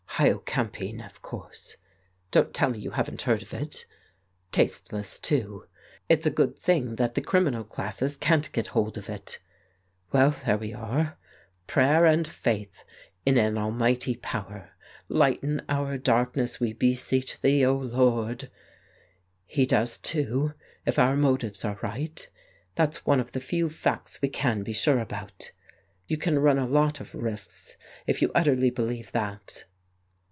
... Hyocampine, of course; don't tell me you haven't heard of it. ... Tasteless too; it's a good thing that the criminal classes can't get hold of it. ... Well, there we are. ... Prayer and faith in an Almighty power. ... Lighten our darkness, we beseech Thee, O Lord. ... He does too, if our motives are right; that's one of the few facts we can be quite sure about. ... You can run a lot of risks if you utterly believe that."